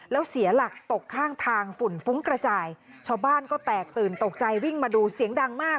แล้วเสียหลักตกข้างทางฝุ่นฟุ้งกระจายชาวบ้านก็แตกตื่นตกใจวิ่งมาดูเสียงดังมาก